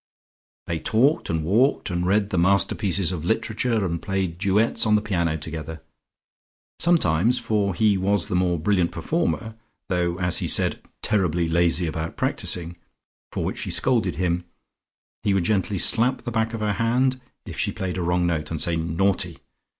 They talked and walked and read the masterpieces of literature and played duets on the piano together. Sometimes (for he was the more brilliant performer, though as he said "terribly lazy about practising," for which she scolded him) he would gently slap the back of her hand, if she played a wrong note, and say "Naughty!"